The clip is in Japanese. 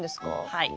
はい。